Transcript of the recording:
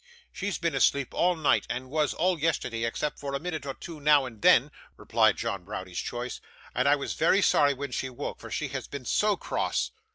'She's been asleep all night, and was, all yesterday, except for a minute or two now and then,' replied John Browdie's choice, 'and I was very sorry when she woke, for she has been SO cross!